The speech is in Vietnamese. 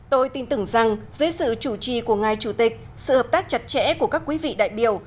tôi tin tưởng rằng dưới sự chủ trì của ngài chủ tịch sự hợp tác chặt chẽ của các quý vị đại biểu